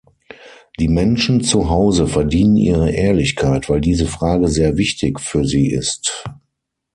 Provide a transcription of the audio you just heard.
Die Menschen zuhause verdienen Ihre Ehrlichkeit, weil diese Frage sehr wichtig für sie ist.